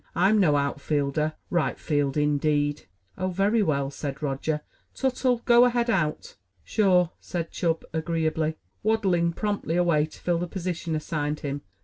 I'm no outfielder. Right field, indeed!" "Oh, very well," said Roger. "Tuttle, go ahead out." "Sure," said Chub agreeably, waddling promptly away to fill the position assigned him.